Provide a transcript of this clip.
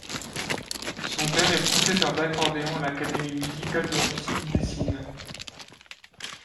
Son père est professeur d'accordéon à l’Académie musicale de Russie Gnessine.